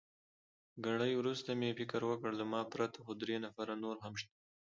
ګړی وروسته مې فکر وکړ، له ما پرته خو درې نفره نور هم شته.